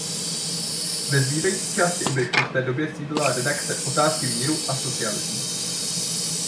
Ve zbývající části objektu v té době sídlila redakce Otázky míru a socialismu.